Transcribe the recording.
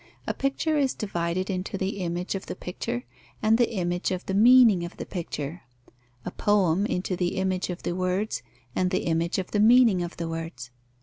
A picture is divided into the image of the picture and the image of the meaning of the picture; a poem, into the image of the words and the image of the meaning of the words.